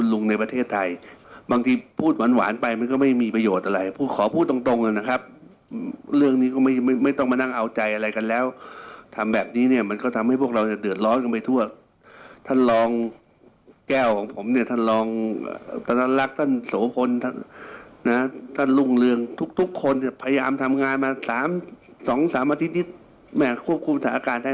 คุณปกปิดการให้ข้อมูลตั้งแต่วันแรกคุณปกปิดการให้ข้อมูลตั้งแต่วันแรกคุณปกปิดการให้ข้อมูลตั้งแต่วันแรกคุณปกปิดการให้ข้อมูลตั้งแต่วันแรกคุณปกปิดการให้ข้อมูลตั้งแต่วันแรกคุณปกปิดการให้ข้อมูลตั้งแต่วันแรกคุณปกปิดการให้ข้อมูลตั้งแต่วันแรกคุณปกปิดการให